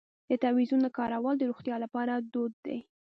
د تعویذونو کارول د روغتیا لپاره دود دی.